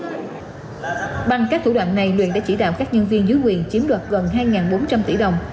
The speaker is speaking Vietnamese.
bằng các thủ đoạn này luyện đã chỉ đạo các nhân viên dưới quyền chiếm đoạt gần hai bốn trăm linh tỷ đồng